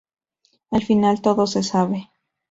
Al final todo se sabe